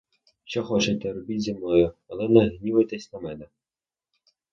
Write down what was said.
Що хочете робіть зі мною, але не гнівайтесь на мене!